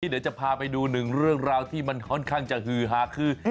เดี๋ยวจะพาไปดูหนึ่งเรื่องราวที่มันค่อนข้างจะฮือฮาคือ